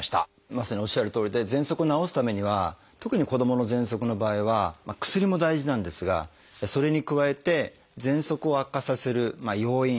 まさにおっしゃるとおりでぜんそくを治すためには特に子どものぜんそくの場合は薬も大事なんですがそれに加えてぜんそくを悪化させる要因。